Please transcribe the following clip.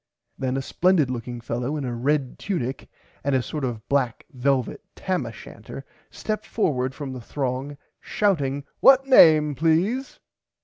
Then a splendid looking fellow in a red tunick and a sort of black velvit tam a [Pg 67] shanter stepped forward from the throng shouting what name please.